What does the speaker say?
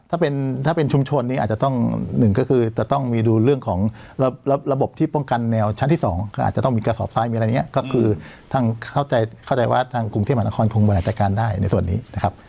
ถ้าเป็นถ้าเป็นชุมชนนี้อาจจะต้องหนึ่งก็คือจะต้องมีดูเรื่องของระบบที่ป้องกันแนวชั้นที่สองก็อาจจะต้องมีกระสอบซ้ายมีอะไรอย่างนี้ก็คือทางเข้าใจเข้าใจว่าทางกรุงเทพมหานครคงบริหารจัดการได้ในส่วนนี้นะครับ